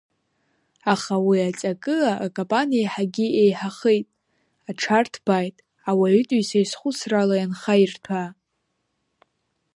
Аха уи аҵакы, акапан еиҳагьы еиҳахеит, аҽарҭбааит ауаҩытәыҩса изхәыцрала ианхаирҭәаа.